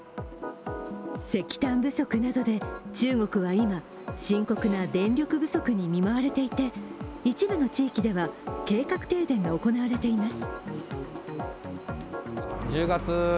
石炭不足などで中国は今、深刻な電力不足に見舞われていて、一部の地域では計画停電が行われています。